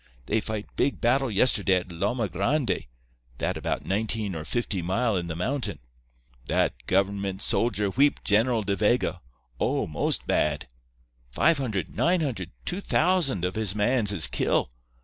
They fight big battle yesterday at Lomagrande—that about nineteen or fifty mile in the mountain. That government soldier wheep General De Vega—oh, most bad. Five hundred—nine hundred—two thousand of his mans is kill.